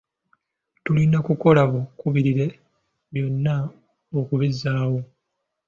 Tulina kukola bukubirire byonna okubizzaawo.